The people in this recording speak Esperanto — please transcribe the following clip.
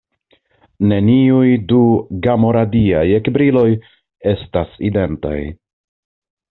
Neniuj du gamo-radiaj ekbriloj estas identaj.